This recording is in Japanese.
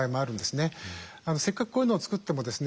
せっかくこういうのを作ってもですね